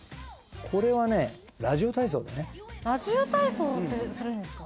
これはねラジオ体操するんですか？